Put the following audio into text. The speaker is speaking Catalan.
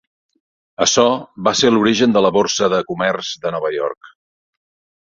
Açò va ser l'origen de la Borsa de Comerç de Nova York.